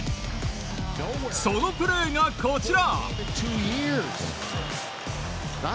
そのプレーがこちら。